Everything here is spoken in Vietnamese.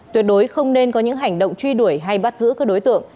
tuyệt đối không nên có những hành động truy đuổi hay bắt giữ các đối tượng